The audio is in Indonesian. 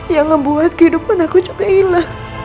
yang ngebuat kehidupan aku joyla